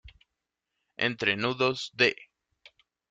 Entrenudos, de.